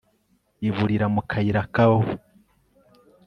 Iburira Mu kayira kawe